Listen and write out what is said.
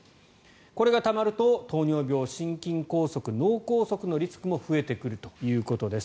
これがたまると糖尿病、心筋梗塞脳梗塞のリスクも増えてくるということです。